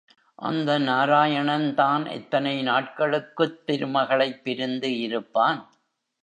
அந்த நாராயணன் தான் எத்தனை நாட்களுக்குத் திருமகளைப் பிரிந்து இருப்பான்?